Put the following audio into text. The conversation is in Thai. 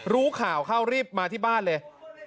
รู้ข่าวเข้ารีบมาที่บ้านเลย